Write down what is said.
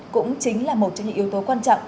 cũng chính là một trong những yếu tố quan trọng